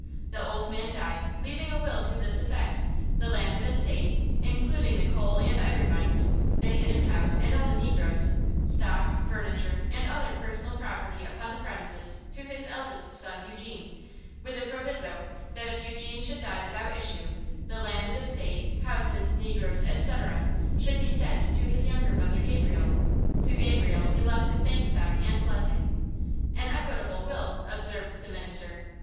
The old man died, leaving a will to this effect–the landed estate, including the coal and iron mines, the Hidden House and all the negroes, stock, furniture and other personal property upon the premises to his eldest son Eugene, with the proviso that if Eugene should die without issue, the landed estate, houses, negroes, etc., should descend to his younger brother Gabriel. To Gabriel he left his bank stock and blessing." "An equitable will," observed the minister.